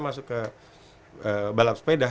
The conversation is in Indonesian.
masuk ke balap sepeda